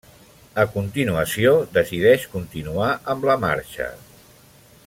A continuació decideix continuar amb la marxa.